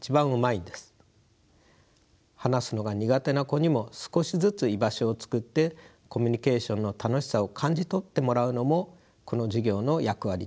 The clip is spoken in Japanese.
話すのが苦手な子にも少しずつ居場所をつくってコミュニケーションの楽しさを感じ取ってもらうのもこの授業の役割です。